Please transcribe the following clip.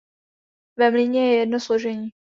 Ve mlýně je jedno složení.